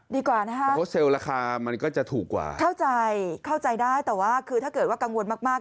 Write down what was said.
โพสต์เซลล์ราคามันก็จะถูกกว่าเข้าใจเข้าใจได้แต่ว่าคือถ้าเกิดว่ากังวลมากมาก